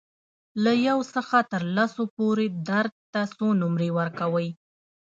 له یو څخه تر لسو پورې درد ته څو نمرې ورکوئ؟